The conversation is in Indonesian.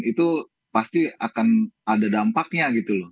itu pasti akan ada dampaknya gitu loh